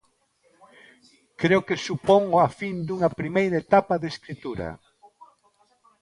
Creo que supón a fin dunha primeira etapa de escritura.